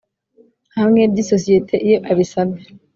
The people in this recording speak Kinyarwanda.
hamwe by isosiyete iyo abisabye